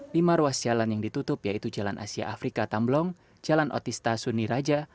lima ruas jalan yang ditutup yaitu jalan asia afrika tamblong jalan otista suni raja